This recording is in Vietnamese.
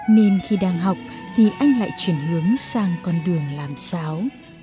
nên khi đang học thì anh lại chuyển hướng sang con đường làm sáo